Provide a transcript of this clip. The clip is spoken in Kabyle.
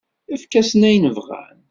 Efk-asen ayen bɣan.